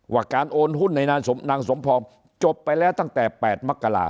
ว่าการโอนหุ้นในนางสมพรจบไปแล้วตั้งแต่๘มกรา